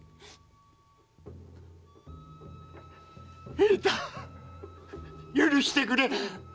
平太許してくれ！